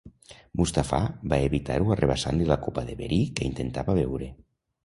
Mustafà va evitar-ho arrabassant-li la copa de verí que intentava beure.